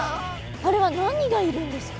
あれは何がいるんですか？